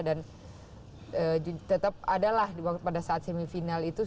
dan tetap adalah pada saat semifinal itu